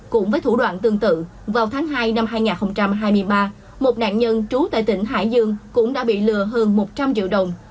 cũng với thủ đoạn tương tự vào tháng hai năm hai nghìn hai mươi ba một nạn nhân trú tại tỉnh hải dương cũng đã bị lừa hơn một trăm linh triệu đồng